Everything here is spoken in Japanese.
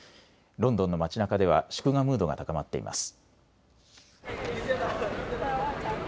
ロンドンの街なかでは祝賀ムードが高まっています。